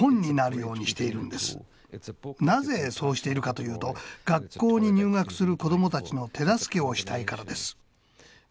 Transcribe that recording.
なぜそうしているかというと学校に入学する子どもたちの手助けをしたいからです。